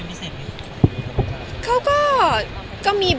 มีประจำว่าเค้าเป็นพิเศษไหมครับพี่นัท